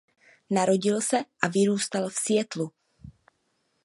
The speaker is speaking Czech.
Narodil se a vyrůstal v Seattlu.